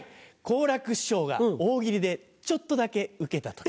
好楽師匠が大喜利でちょっとだけウケた時。